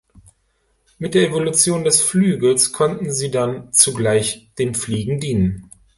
Mit der Evolution des Flügels konnten sie dann zugleich dem Fliegen dienen.